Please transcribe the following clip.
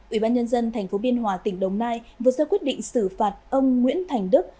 ủy ban nhân dân tp biên hòa tỉnh đồng nai vừa ra quyết định xử phạt ông nguyễn thành đức